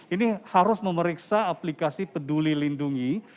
ini harus memeriksa aplikasi peduli lindungi